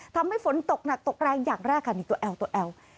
ทำให้ฝนตกหนักตกแรงอย่างแรกค่ะนี่ตัวแอลตัวแอล